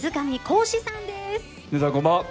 皆さんこんばんは。